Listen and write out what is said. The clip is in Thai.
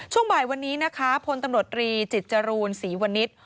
ช่วงบ่ายวันนี้นะคะพลตำรวจรีจิตจรูลศรีวนิษฐ์